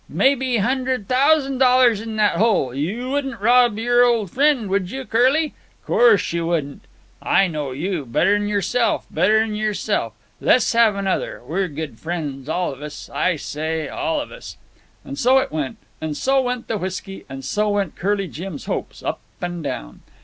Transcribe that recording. "Maybe hundred thousand dollars in that hole. You wouldn't rob your old frien', would you, Curly? Course you wouldn't. I know you—better'n yourself, better'n yourself. Le's have another: We're good frien's, all of us, I say, all of us." And so it went, and so went the whisky, and so went Curly Jim's hopes up and down.